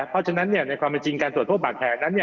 เพราะฉะนั้นในความเป็นจริงการตรวจพบบาดแผลนั้น